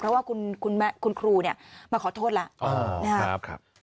เพราะว่าคุณครูมาขอโทษแล้ว